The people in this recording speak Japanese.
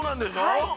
はい。